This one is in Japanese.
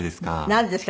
なんですか？